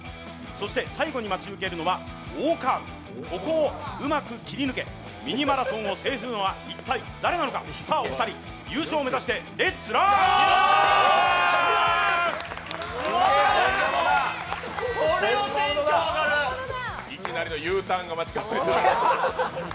そして最後に待ち受けるのは大カーブ、ここをうまく切り抜けミニマラソンを制するのは一体誰なのか、さあ、お二人優勝を目指してレッツラン！